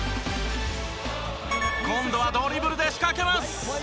今度はドリブルで仕掛けます。